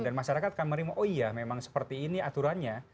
dan masyarakat akan merimu oh iya memang seperti ini aturannya